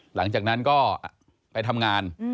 หลังจากนั้นก็ไปทำงาน